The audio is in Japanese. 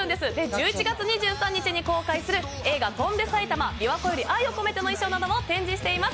１１月２３日に公開する映画「翔んで埼玉琵琶湖より愛をこめて」の衣装なども展示しています。